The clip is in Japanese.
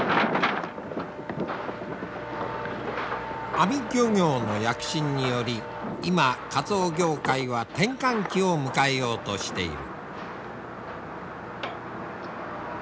網漁業の躍進により今カツオ業界は転換期を迎えようとしている。